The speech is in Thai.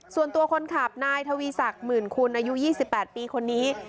ส่วนตัวคนขับนายทวีศักดิ์หมื่นคุณอายุ๒๘ปีคนนี้